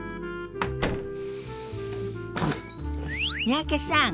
三宅さん